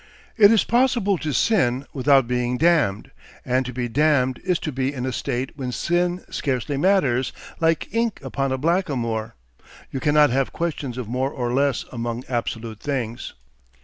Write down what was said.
It is possible to sin without being damned; and to be damned is to be in a state when sin scarcely matters, like ink upon a blackamoor. You cannot have questions of more or less among absolute things.